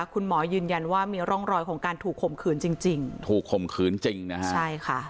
คุณหมอยืนยันว่ามีร่องรอยของการถูกข่มขืนจริงจริงถูกข่มขืนจริงนะฮะใช่ค่ะ